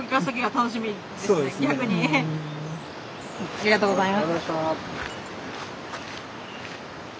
ありがとうございます。